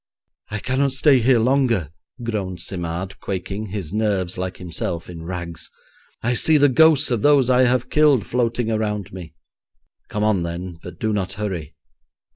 'I cannot stay here longer,' groaned Simard, quaking, his nerves, like himself, in rags. 'I see the ghosts of those I have killed floating around me.' 'Come on, then, but do not hurry.'